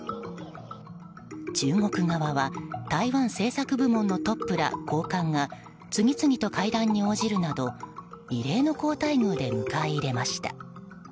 中国側は台湾政策部門のトップら高官が次々と会談に応じるなど異例の好待遇で迎え入れました。